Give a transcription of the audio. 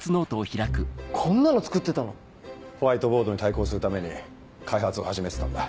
こんなの作ってたの⁉ホワイトボードに対抗するために開発を始めてたんだ。